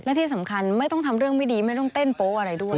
และที่สำคัญไม่ต้องทำเรื่องไม่ดีไม่ต้องเต้นโป๊ะอะไรด้วย